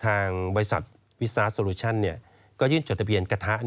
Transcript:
ทางวิทยาเรียนรวมวิสาสก็ยื่นจดทะเบียนกะทะ